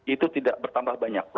itu tidak bertambah banyak